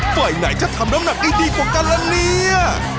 ฝ่ายไหนจะทำน้ำหนักได้ดีกว่ากันละเนี่ย